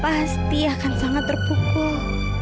pasti akan sangat terpukul